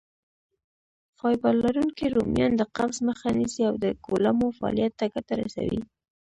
فایبر لرونکي رومیان د قبض مخه نیسي او د کولمو فعالیت ته ګټه رسوي.